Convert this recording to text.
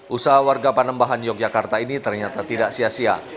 usaha warga panembahan yogyakarta ini ternyata tidak sia sia